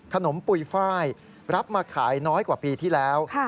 ขนมปุยฟ่ายรับมาขายน้อยกว่าปีที่แล้ว